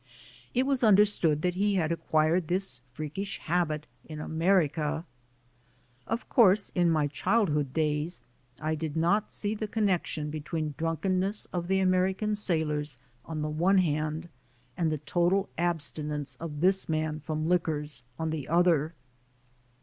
It was understood that he had acquired this freakish habit in America. Of course, in my childhood days I did not see the con nection between drunkenness of the American sailors on the one hand and the total abstinence of this man from liquors on the other.